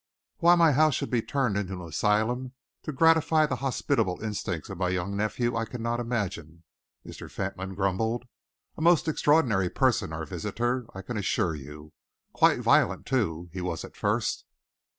"Why my house should be turned into an asylum to gratify the hospitable instincts of my young nephew, I cannot imagine," Mr. Fentolin grumbled. "A most extraordinary person, our visitor, I can assure you. Quite violent, too, he was at first."